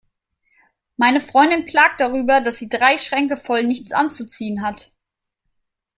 Meine Freundin klagt darüber, dass sie drei Schränke voll nichts anzuziehen hat.